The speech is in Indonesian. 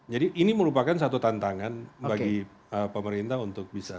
jadi ini merupakan satu tantangan bagi pemerintah untuk bisa